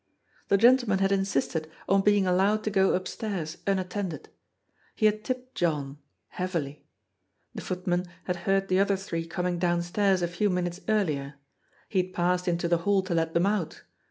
The gentleman had in sisted on being allowed to go upstairs, unattended. He had tipped John — ^heavily. The footman had heard the other three coming downstairs a few minutes earlier. He had passed into the hall to let them out.